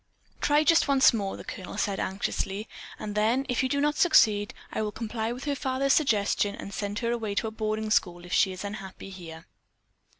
"Try just once more," the Colonel said anxiously, "and then, if you do not succeed, I will comply with her father's suggestion and send her away to a boarding school if she is unhappy here."